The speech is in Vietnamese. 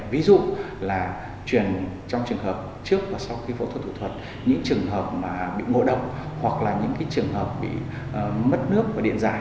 ví dụ là chuyển trong trường hợp trước và sau khi phẫu thuật thủ thuật những trường hợp mà bị ngộ độc hoặc là những trường hợp bị mất nước và điện dài